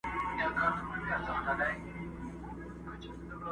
تر قیامته خو دي نه شم غولولای!.